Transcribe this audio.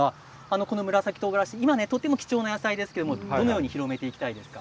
この紫とうがらし、今とても貴重な野菜ですけれどどんなふうに広げていきたいですか？